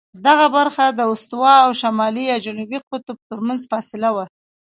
دغه برخه د استوا او شمالي یا جنوبي قطب ترمنځ فاصله وه.